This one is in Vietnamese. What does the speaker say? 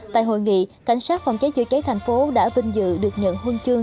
tại hội nghị cảnh sát phòng cháy chữa cháy thành phố đã vinh dự được nhận huân chương